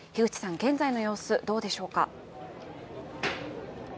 現在の様子、どうでしょうか？